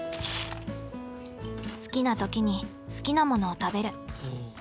好きな時に好きなものを食べる。